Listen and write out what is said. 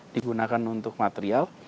digunakan untuk material